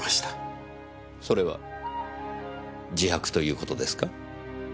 それは自白という事ですか？